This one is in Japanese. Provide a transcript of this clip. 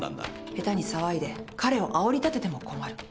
下手に騒いで彼をあおり立てても困る。